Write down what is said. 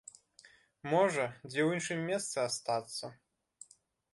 Можа, дзе ў іншым месцы астацца?